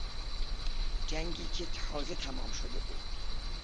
جنگی که تازه تمام شده بود